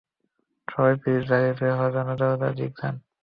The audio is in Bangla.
সবাই, প্লিজ বাইরে বের হওয়ার দরজার দিকে যান।